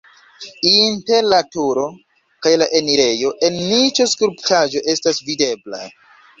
Inter la turo kaj la enirejo en niĉo skulptaĵo estas videbla.